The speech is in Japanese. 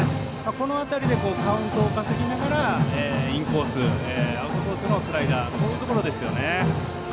この辺りでカウントを稼ぎながらインコース、アウトコースのスライダーこういうところですよね。